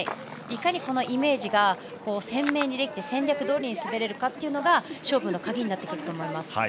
いかに、このイメージが鮮明にできて、戦略どおりに滑れるかというのが勝負の鍵になると思います。